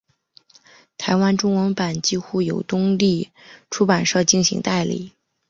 台湾中文版几乎由东立出版社进行代理。